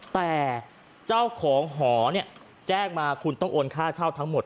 แต่เจ้าของหอเนี่ยแจ้งมาคุณต้องโอนค่าเช่าทั้งหมด